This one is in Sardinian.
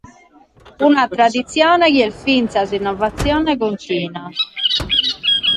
Una traditzione chi est fintzas innovatzione contina.